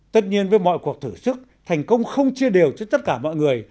tất nhiên với mọi cuộc thử sức thành công không chia đều cho tất cả mọi người